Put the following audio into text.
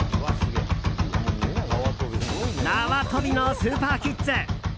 縄跳びのスーパーキッズ。